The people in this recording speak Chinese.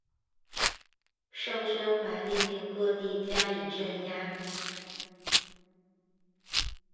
盛宣怀命令各地加以镇压。